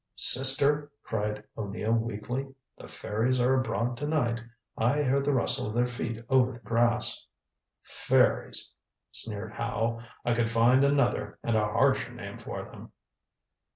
"Sister," cried O'Neill weakly, "the fairies are abroad to night. I hear the rustle of their feet over the grass." "Fairies," sneered Howe. "I could find another and a harsher name for them."